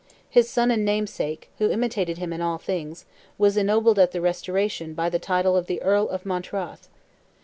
His son and namesake, who imitated him in all things, was ennobled at the restoration by the title of the Earl of Mountrath.